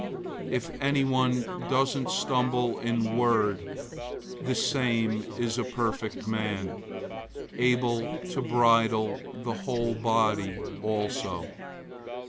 If anyone doesn't stumble in word, the same is a perfect man, able to bridle the whole body also.